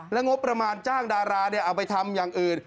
งบประมาณจ้างดาราเอาไปทำอย่างอื่น